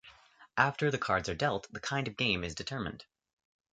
After the cards are dealt, the kind of game is determined.